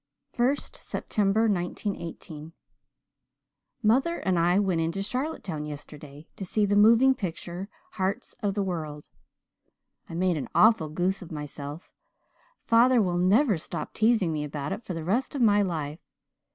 1st September 1918 "Mother and I went into Charlottetown yesterday to see the moving picture, "Hearts of the World." I made an awful goose of myself father will never stop teasing me about it for the rest of my life.